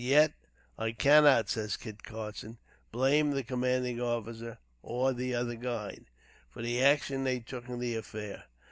"Yet I cannot," says Kit Carson, "blame the commanding officer, or the other guide, for the action they took in the affair.